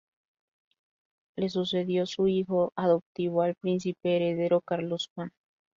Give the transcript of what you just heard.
Le sucedió su hijo adoptivo el príncipe heredero Carlos Juan.